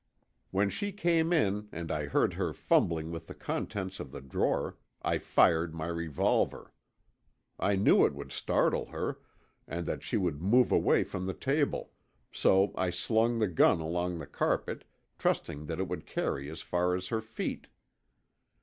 "When she came in and I heard her fumbling with the contents of the drawer I fired my revolver. I knew it would startle her, and that she would move away from the table, so I slung the gun along the carpet, trusting that it would carry as far as her feet.